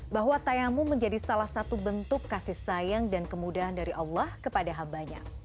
bahwa tayamu menjadi salah satu bentuk kasih sayang dan kemudahan dari allah kepada hambanya